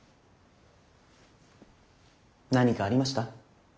何かありました？